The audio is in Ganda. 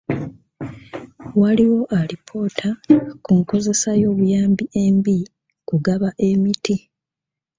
Waliwo alipoota ku nkozesa y'obuyambi embi kugaba emiti.